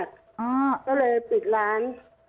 ก็เลยปิดร้าน